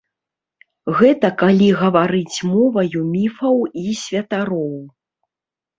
Гэта калі гаварыць моваю міфаў і святароў.